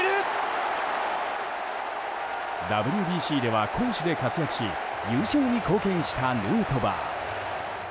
ＷＢＣでは攻守で活躍し優勝に貢献したヌートバー。